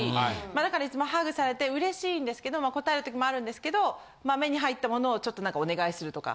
だからいつもハグされて嬉しいんですけど応える時もあるんですけど目に入ったものをちょっと何かお願いするとか。